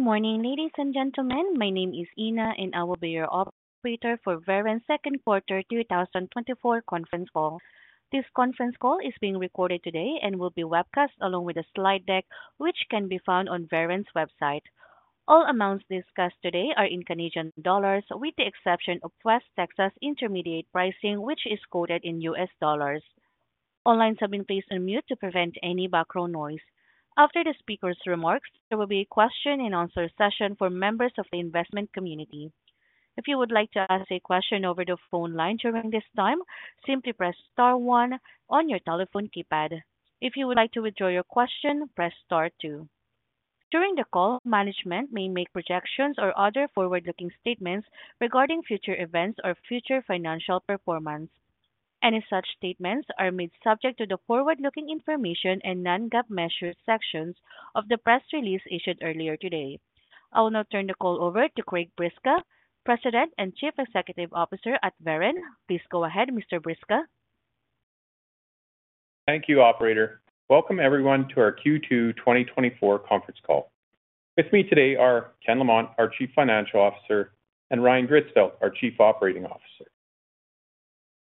Good morning, ladies and gentlemen. My name is Ina, and I will be your operator for Veren Second Quarter 2024 Conference Call. This conference call is being recorded today and will be webcast along with a slide deck, which can be found on Veren's website. All amounts discussed today are in Canadian dollars, with the exception of West Texas Intermediate pricing, which is quoted in US dollars. All lines have been placed on mute to prevent any background noise. After the speaker's remarks, there will be a question-and-answer session for members of the investment community. If you would like to ask a question over the phone line during this time, simply press Star one on your telephone keypad. If you would like to withdraw your question, press Star two. During the call, management may make projections or other forward-looking statements regarding future events or future financial performance. Any such statements are made subject to the forward-looking information and non-GAAP measures sections of the press release issued earlier today. I will now turn the call over to Craig Bryksa, President and Chief Executive Officer at Veren. Please go ahead, Mr. Bryksa. Thank you, Operator. Welcome, everyone, to our Q2 2024 conference call. With me today are Ken Lamont, our Chief Financial Officer, and Ryan Gritzfeldt, our Chief Operating Officer.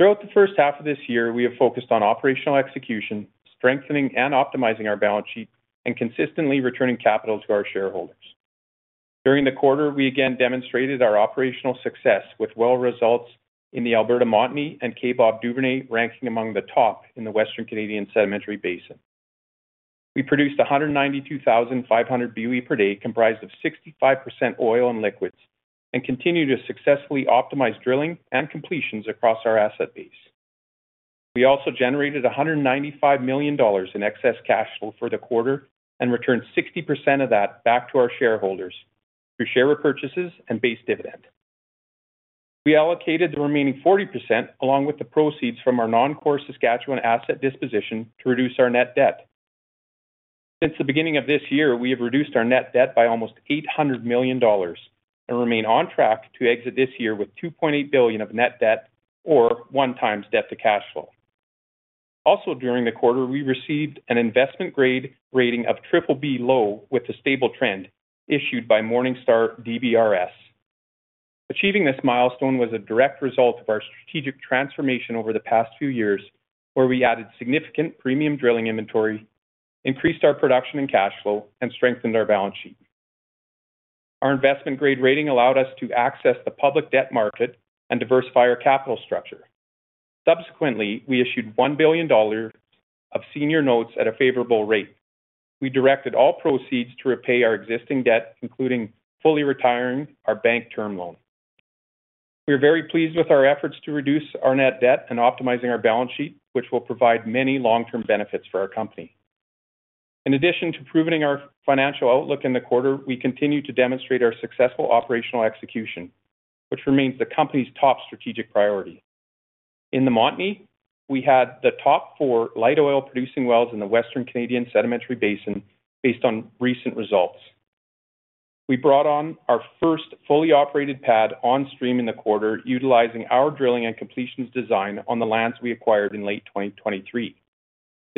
Throughout the first half of this year, we have focused on operational execution, strengthening and optimizing our balance sheet, and consistently returning capital to our shareholders. During the quarter, we again demonstrated our operational success with well results in the Alberta Montney and Kaybob Duvernay ranking among the top in the Western Canadian Sedimentary Basin. We produced 192,500 BOE per day, comprised of 65% oil and liquids, and continued to successfully optimize drilling and completions across our asset base. We also generated $195 million in excess cash flow for the quarter and returned 60% of that back to our shareholders through share repurchases and base dividend. We allocated the remaining 40% along with the proceeds from our non-core Saskatchewan asset disposition to reduce our net debt. Since the beginning of this year, we have reduced our net debt by almost $800 million and remain on track to exit this year with $2.8 billion of net debt, or 1x debt to cash flow. Also, during the quarter, we received an investment grade rating of BBB low with a stable trend issued by Morningstar DBRS. Achieving this milestone was a direct result of our strategic transformation over the past few years, where we added significant premium drilling inventory, increased our production and cash flow, and strengthened our balance sheet. Our investment grade rating allowed us to access the public debt market and diversify our capital structure. Subsequently, we issued $1 billion of senior notes at a favorable rate. We directed all proceeds to repay our existing debt, including fully retiring our bank term loan. We are very pleased with our efforts to reduce our net debt and optimizing our balance sheet, which will provide many long-term benefits for our company. In addition to proving our financial outlook in the quarter, we continue to demonstrate our successful operational execution, which remains the company's top strategic priority. In the Montney, we had the top four light oil producing wells in the Western Canadian Sedimentary Basin based on recent results. We brought on our first fully operated pad on stream in the quarter, utilizing our drilling and completions design on the lands we acquired in late 2023.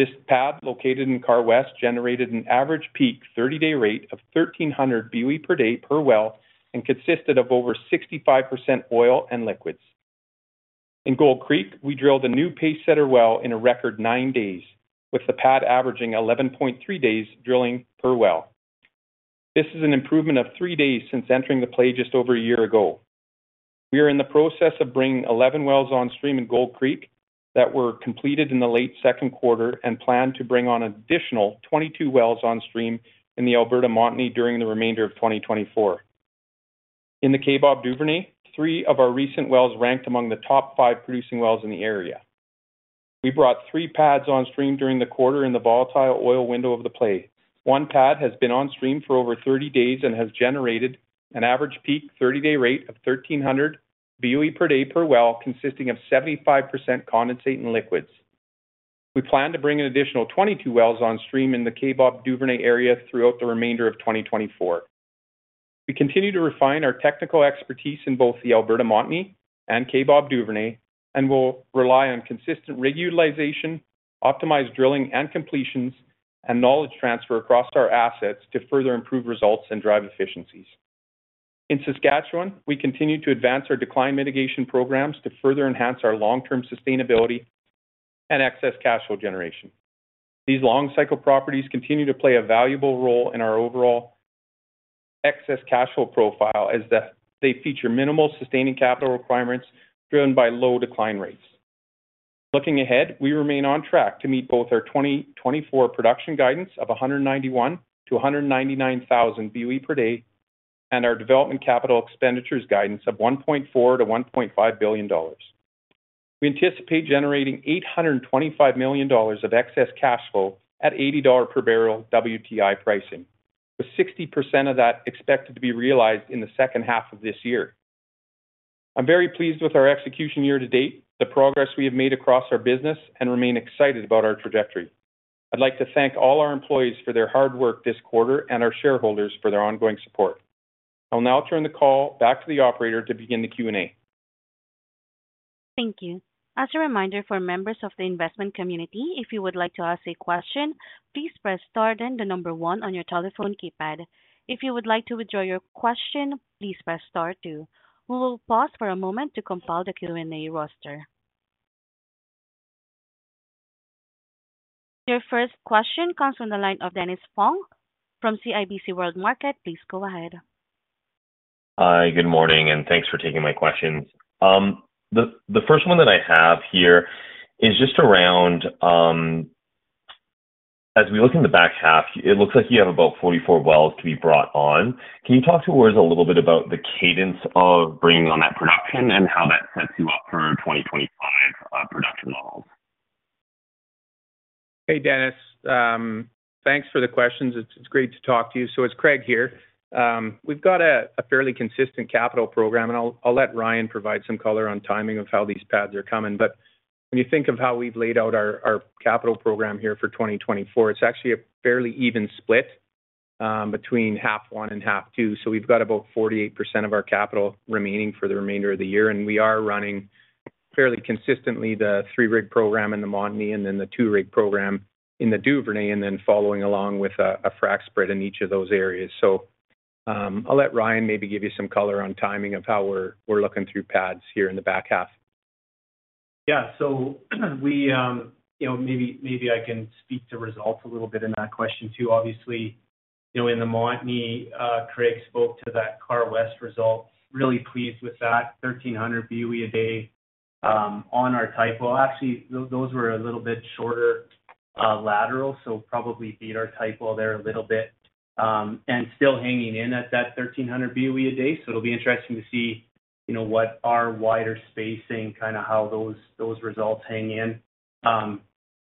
This pad, located in Karr West, generated an average peak 30-day rate of 1,300 BOE per day per well and consisted of over 65% oil and liquids. In Gold Creek, we drilled a new pacesetter well in a record nine days, with the pad averaging 11.3 days drilling per well. This is an improvement of three days since entering the play just over a year ago. We are in the process of bringing 11 wells on stream in Gold Creek that were completed in the late second quarter and plan to bring on additional 22 wells on stream in the Alberta Montney during the remainder of 2024. In the Kaybob Duvernay, three of our recent wells ranked among the top five producing wells in the area. We brought three pads on stream during the quarter in the volatile oil window of the play. One pad has been on stream for over 30 days and has generated an average peak 30-day rate of 1,300 BOE per day per well, consisting of 75% condensate and liquids. We plan to bring an additional 22 wells on stream in the Kaybob Duvernay area throughout the remainder of 2024. We continue to refine our technical expertise in both the Alberta Montney and Kaybob Duvernay and will rely on consistent regularization, optimized drilling and completions, and knowledge transfer across our assets to further improve results and drive efficiencies. In Saskatchewan, we continue to advance our decline mitigation programs to further enhance our long-term sustainability and excess cash flow generation. These long-cycle properties continue to play a valuable role in our overall excess cash flow profile as they feature minimal sustaining capital requirements driven by low decline rates. Looking ahead, we remain on track to meet both our 2024 production guidance of 191,000-199,000 BOE per day and our development capital expenditures guidance of $1.4 billion-$1.5 billion. We anticipate generating $825 million of excess cash flow at $80 per barrel WTI pricing, with 60% of that expected to be realized in the second half of this year. I'm very pleased with our execution year to date, the progress we have made across our business, and remain excited about our trajectory. I'd like to thank all our employees for their hard work this quarter and our shareholders for their ongoing support. I will now turn the call back to the Operator to begin the Q&A. Thank you. As a reminder for members of the investment community, if you would like to ask a question, please press Star one then the number one on your telephone keypad. If you would like to withdraw your question, please press Star 2. We will pause for a moment to compile the Q&A roster. Your first question comes from the line of Dennis Fong from CIBC World Markets. Please go ahead. Hi, good morning, and thanks for taking my questions. The first one that I have here is just around, as we look in the back half, it looks like you have about 44 wells to be brought on. Can you talk to us a little bit about the cadence of bringing on that production and how that sets you up for 2025 production models? Hey, Dennis. Thanks for the questions. It's great to talk to you. So it's Craig here. We've got a fairly consistent capital program, and I'll let Ryan provide some color on timing of how these pads are coming. But when you think of how we've laid out our capital program here for 2024, it's actually a fairly even split between half one and half two. So we've got about 48% of our capital remaining for the remainder of the year, and we are running fairly consistently the three-rig program in the Montney and then the two-rig program in the Duvernay, and then following along with a frac spread in each of those areas. So I'll let Ryan maybe give you some color on timing of how we're looking through pads here in the back half. Yeah, so maybe I can speak to results a little bit in that question too. Obviously, in the Montney, Craig spoke to that Karr West result, really pleased with that, 1,300 BOE a day on our type. Actually, those were a little bit shorter lateral, so probably beat our type there a little bit and still hanging in at that 1,300 BOE a day. So it'll be interesting to see what our wider spacing, kind of how those results hang in.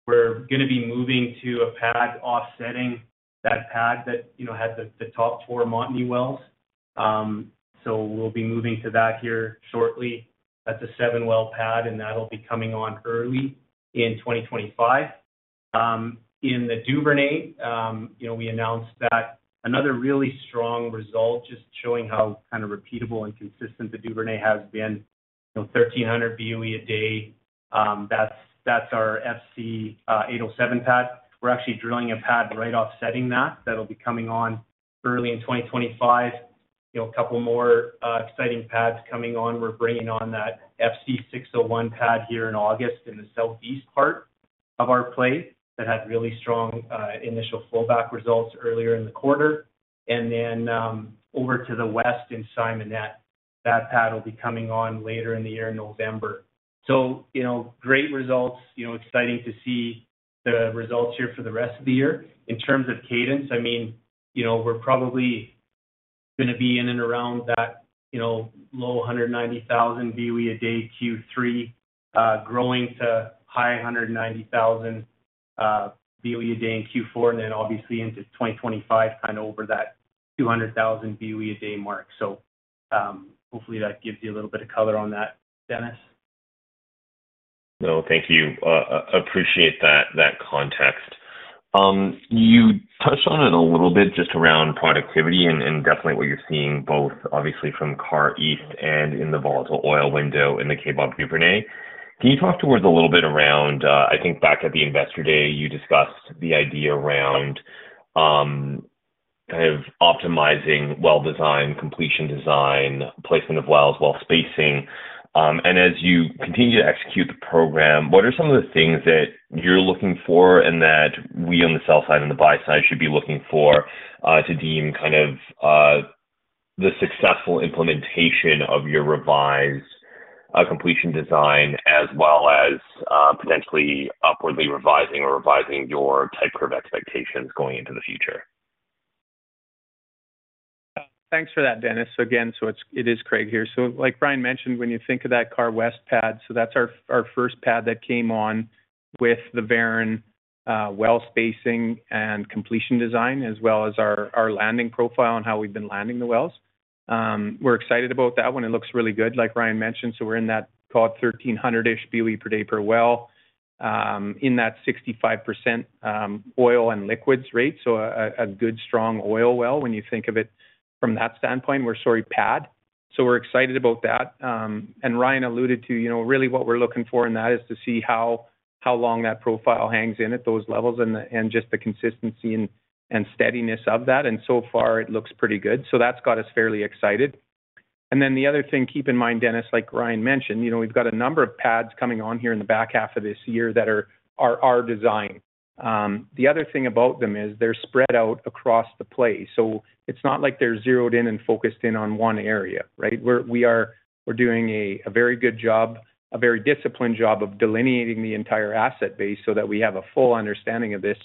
We're going to be moving to a pad offsetting that pad that had the top four Montney wells. So we'll be moving to that here shortly. That's a seven-well pad, and that'll be coming on early in 2025. In the Duvernay, we announced that another really strong result, just showing how kind of repeatable and consistent the Duvernay has been, 1,300 BOE a day. That's our FC 807 pad. We're actually drilling a pad right offsetting that. That'll be coming on early in 2025. A couple more exciting pads coming on. We're bringing on that FC 601 pad here in August in the southeast part of our play that had really strong initial flowback results earlier in the quarter. And then over to the west in Simonette, that pad will be coming on later in the year in November. So great results. Exciting to see the results here for the rest of the year. In terms of cadence, I mean, we're probably going to be in and around that low 190,000 BOE a day Q3, growing to high 190,000 BOE a day in Q4, and then obviously into 2025, kind of over that 200,000 BOE a day mark. So hopefully that gives you a little bit of color on that, Dennis. No, thank you. Appreciate that context. You touched on it a little bit just around productivity and definitely what you're seeing both obviously from Karr West and in the volatile oil window in the Kaybob Duvernay. Can you talk to us a little bit around, I think back at the investor day, you discussed the idea around kind of optimizing well design, completion design, placement of wells, well spacing. And as you continue to execute the program, what are some of the things that you're looking for and that we on the sell side and the buy side should be looking for to deem kind of the successful implementation of your revised completion design, as well as potentially upwardly revising or revising your type curve expectations going into the future? Thanks for that, Dennis. Again, so it is Craig here. So like Ryan mentioned, when you think of that Karr West pad, so that's our first pad that came on with the Veren well spacing and completion design, as well as our landing profile and how we've been landing the wells. We're excited about that one. It looks really good, like Ryan mentioned. So we're in that called 1,300-ish BOE per day per well in that 65% oil and liquids rate. So a good strong oil well when you think of it from that standpoint. We're sorry pad. So we're excited about that. And Ryan alluded to really what we're looking for in that is to see how long that profile hangs in at those levels and just the consistency and steadiness of that. And so far, it looks pretty good. So that's got us fairly excited. The other thing keep in mind, Dennis, like Ryan mentioned, we've got a number of pads coming on here in the back half of this year that are our design. The other thing about them is they're spread out across the play. So it's not like they're zeroed in and focused in on one area, right? We are doing a very good job, a very disciplined job of delineating the entire asset base so that we have a full understanding of this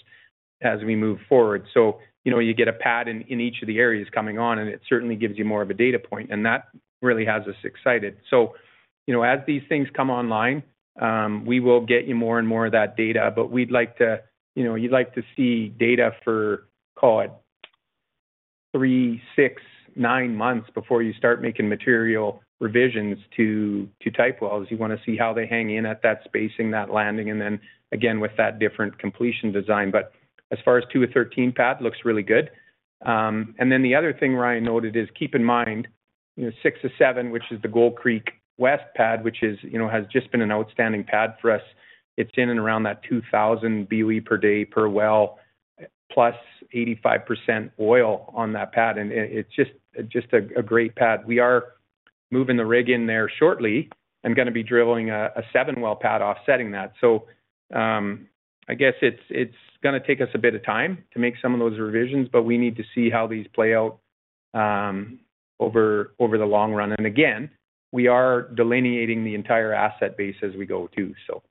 as we move forward. So you get a pad in each of the areas coming on, and it certainly gives you more of a data point, and that really has us excited. So as these things come online, we will get you more and more of that data, but you'd like to see data for, call it three, six, nine months before you start making material revisions to type wells. You want to see how they hang in at that spacing, that landing, and then again with that different completion design. But as far as two to 13 pad, looks really good. And then the other thing Ryan noted is keep in mind six to seven, which is the Gold Creek West pad, which has just been an outstanding pad for us. It's in and around that 2,000 BOE per day per well, plus 85% oil on that pad. And it's just a great pad. We are moving the rig in there shortly and going to be drilling a seven-well pad offsetting that. I guess it's going to take us a bit of time to make some of those revisions, but we need to see how these play out over the long run. Again, we are delineating the entire asset base as we go too, so.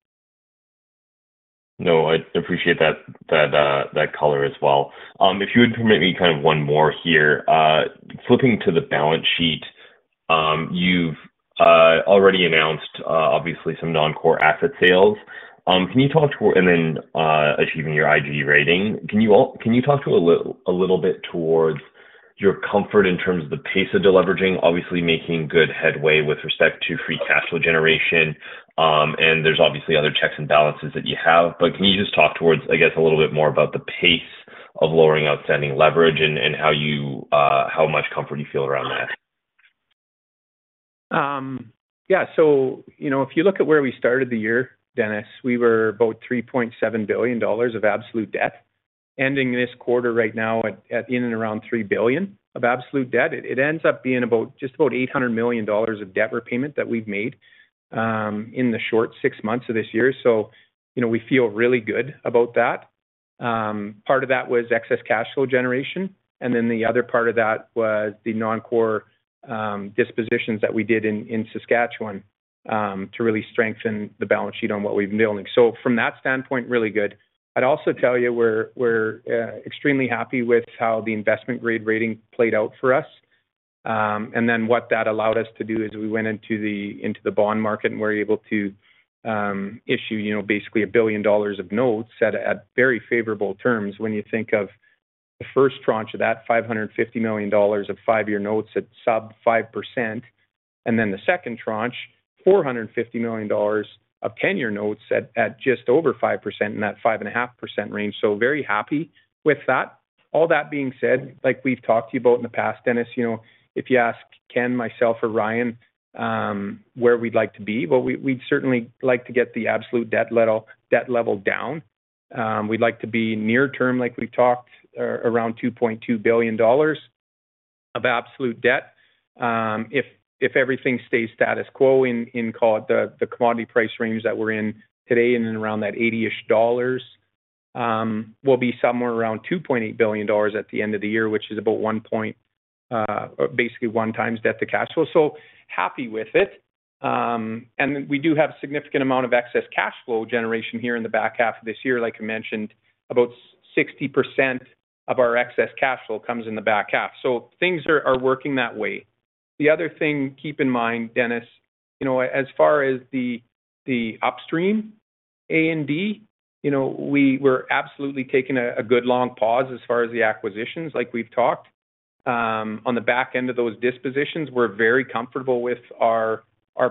No, I appreciate that color as well. If you would permit me kind of one more here, flipping to the balance sheet, you've already announced obviously some non-core asset sales. Can you talk to, and then achieving your IG rating? Can you talk to a little bit towards your comfort in terms of the pace of deleveraging, obviously making good headway with respect to free cash flow generation? And there's obviously other checks and balances that you have, but can you just talk towards, I guess, a little bit more about the pace of lowering outstanding leverage and how much comfort you feel around that? Yeah. So if you look at where we started the year, Dennis, we were about $3.7 billion of absolute debt. Ending this quarter right now at in and around $3 billion of absolute debt. It ends up being about just about $800 million of debt repayment that we've made in the short six months of this year. So we feel really good about that. Part of that was excess cash flow generation. And then the other part of that was the non-core dispositions that we did in Saskatchewan to really strengthen the balance sheet on what we've been building. So from that standpoint, really good. I'd also tell you we're extremely happy with how the investment grade rating played out for us. And then what that allowed us to do is we went into the bond market and we're able to issue basically $1 billion of notes at very favorable terms when you think of the first tranche of that $550 million of 5-year notes at sub 5%, and then the second tranche, $450 million of 10-year notes at just over 5% in that 5.5% range. So very happy with that. All that being said, like we've talked to you about in the past, Dennis, if you ask Ken, myself, or Ryan where we'd like to be, well, we'd certainly like to get the absolute debt level down. We'd like to be near term, like we've talked, around $2.2 billion of absolute debt. If everything stays status quo in the commodity price range that we're in today and in around that $80-ish dollars, we'll be somewhere around $2.8 billion at the end of the year, which is about basically 1x debt to cash flow. So happy with it. And we do have a significant amount of excess cash flow generation here in the back half of this year. Like I mentioned, about 60% of our excess cash flow comes in the back half. So things are working that way. The other thing keep in mind, Dennis, as far as the upstream A and D, we're absolutely taking a good long pause as far as the acquisitions. Like we've talked on the back end of those dispositions, we're very comfortable with our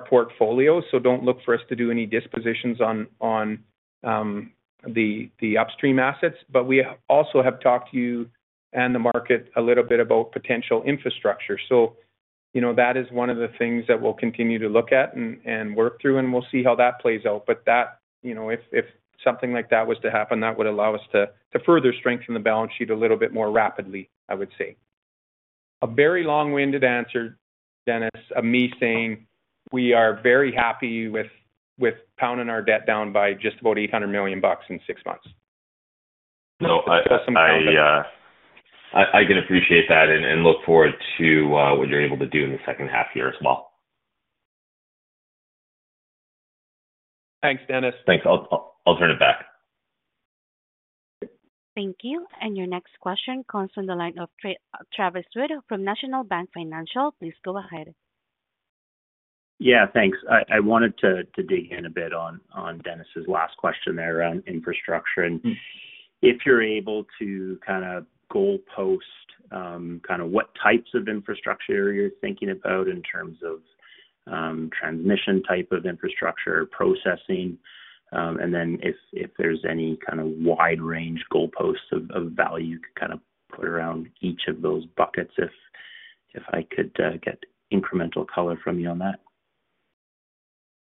portfolio. So don't look for us to do any dispositions on the upstream assets. But we also have talked to you and the market a little bit about potential infrastructure. So that is one of the things that we'll continue to look at and work through, and we'll see how that plays out. But if something like that was to happen, that would allow us to further strengthen the balance sheet a little bit more rapidly, I would say. A very long-winded answer, Dennis, of me saying we are very happy with pounding our debt down by just about 800 million bucks in six months. No, I can appreciate that and look forward to what you're able to do in the second half year as well. Thanks, Dennis. Thanks. I'll turn it back. Thank you. Your next question comes from the line of Travis Wood from National Bank Financial. Please go ahead. Yeah, thanks. I wanted to dig in a bit on Dennis's last question there around infrastructure. And if you're able to kind of goalpost kind of what types of infrastructure you're thinking about in terms of transmission type of infrastructure processing, and then if there's any kind of wide range goalposts of value you could kind of put around each of those buckets, if I could get incremental color from you on that.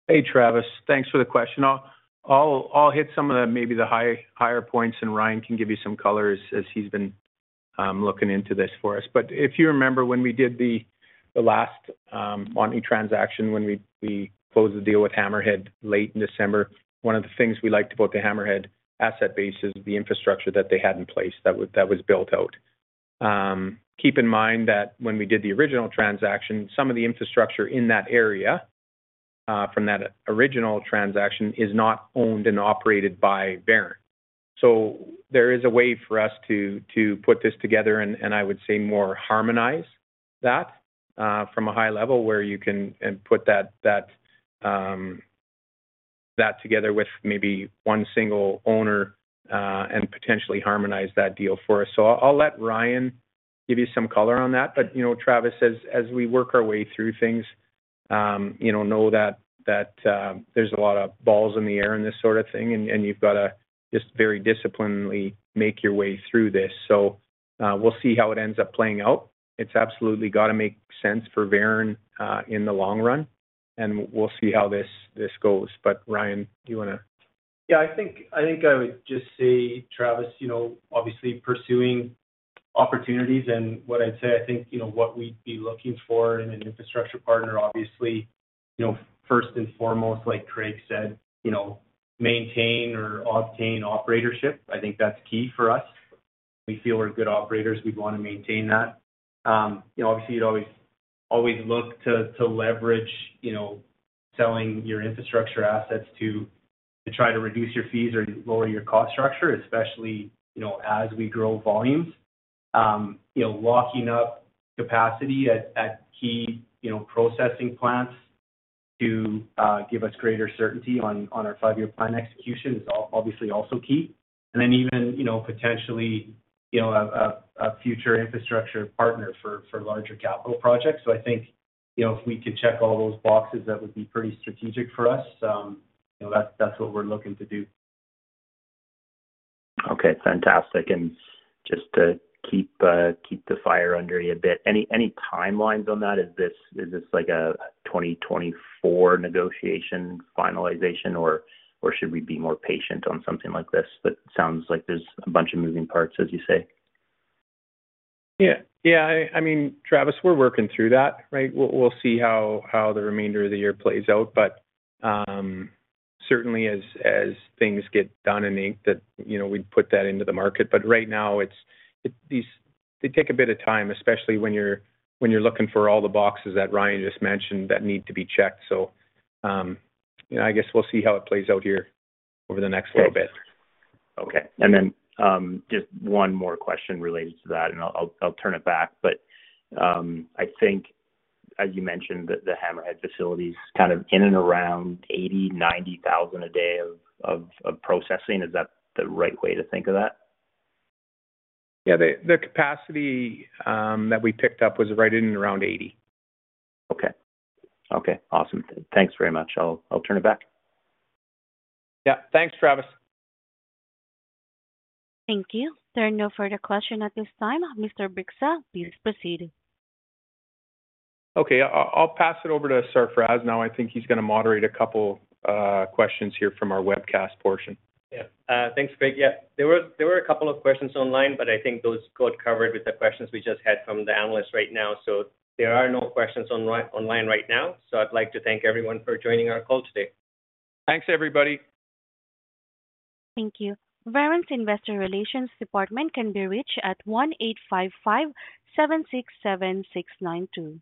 Hey, Travis, thanks for the question. I'll hit some of the maybe the higher points, and Ryan can give you some color as he's been looking into this for us. But if you remember when we did the last Montney transaction, when we closed the deal with Hammerhead late in December, one of the things we liked about the Hammerhead asset base is the infrastructure that they had in place that was built out. Keep in mind that when we did the original transaction, some of the infrastructure in that area from that original transaction is not owned and operated by Veren. So there is a way for us to put this together, and I would say more harmonize that from a high level where you can put that together with maybe one single owner and potentially harmonize that deal for us. So I'll let Ryan give you some color on that. But Travis, as we work our way through things, know that there's a lot of balls in the air in this sort of thing, and you've got to just very disciplinedly make your way through this. So we'll see how it ends up playing out. It's absolutely got to make sense for Veren in the long run, and we'll see how this goes. But Ryan, do you want to? Yeah, I think I would just say, Travis, obviously pursuing opportunities. And what I'd say, I think what we'd be looking for in an infrastructure partner, obviously, first and foremost, like Craig said, maintain or obtain operatorship. I think that's key for us. We feel we're good operators. We'd want to maintain that. Obviously, you'd always look to leverage selling your infrastructure assets to try to reduce your fees or lower your cost structure, especially as we grow volumes. Locking up capacity at key processing plants to give us greater certainty on our five-year plan execution is obviously also key. And then even potentially a future infrastructure partner for larger capital projects. So I think if we could check all those boxes, that would be pretty strategic for us. That's what we're looking to do. Okay. Fantastic. And just to keep the fire under you a bit, any timelines on that? Is this like a 2024 negotiation finalization, or should we be more patient on something like this? But it sounds like there's a bunch of moving parts, as you say. Yeah. Yeah. I mean, Travis, we're working through that, right? We'll see how the remainder of the year plays out. But certainly, as things get done and inked, we'd put that into the market. But right now, they take a bit of time, especially when you're looking for all the boxes that Ryan just mentioned that need to be checked. So I guess we'll see how it plays out here over the next little bit. Okay. And then just one more question related to that, and I'll turn it back. But I think, as you mentioned, the Hammerhead facility is kind of in and around 80,000-90,000 a day of processing. Is that the right way to think of that? Yeah. The capacity that we picked up was right in and around 80. Okay. Okay. Awesome. Thanks very much. I'll turn it back. Yeah. Thanks, Travis. Thank you. There are no further questions at this time. Mr. Bryksa, please proceed. Okay. I'll pass it over to Sarfraz now. I think he's going to moderate a couple of questions here from our webcast portion. Yeah. Thanks, Craig. Yeah. There were a couple of questions online, but I think those got covered with the questions we just had from the analyst right now. So there are no questions online right now. So I'd like to thank everyone for joining our call today. Thanks, everybody. Thank you. Veren's investor relations department can be reached at 1-855-767-6923.